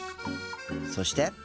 そして。